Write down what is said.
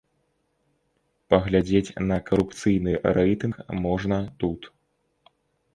Паглядзець на карупцыйны рэйтынг можна тут.